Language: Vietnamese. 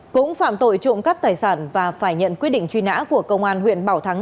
cũng phạm tội trộm cắp tài sản và phải nhận quyết định truy nã của công an huyện bảo thắng